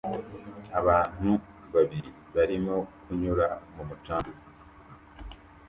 Abantu babiri barimo kunyura mu mucanga